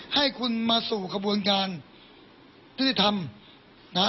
ให้คุณมาสู่กระบวนการที่ได้ทำ